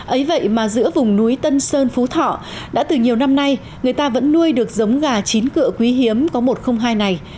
ấy vậy mà giữa vùng núi tân sơn phú thọ đã từ nhiều năm nay người ta vẫn nuôi được giống gà chín cựa quý hiếm có một trăm linh hai này